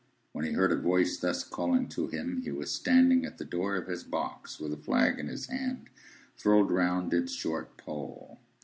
When he heard a voice thus calling to him, he was standing at the door of his box, with a flag in his hand, furled round its short pole.